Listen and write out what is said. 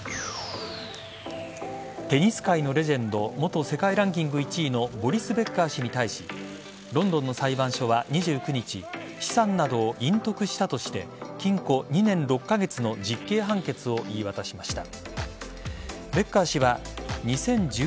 テニス界のレジェンド元世界ランキング１位のボリス・ベッカー氏に対しロンドンの裁判所は２９日資産などを隠匿したとして禁錮２年６カ月の実刑判決を言い渡しました。